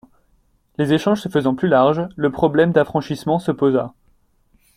Les échanges se faisant plus larges, le problème d'affranchissement se posa.